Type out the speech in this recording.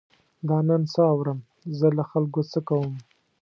دا نن څه اورم، زه له خلکو څه کوم.